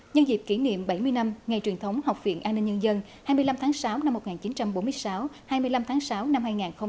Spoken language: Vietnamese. nhân dịp kỷ niệm bảy mươi năm ngày truyền thống học viện an ninh nhân dân hai mươi năm tháng sáu năm một nghìn chín trăm bốn mươi sáu hai mươi năm tháng sáu năm hai nghìn hai mươi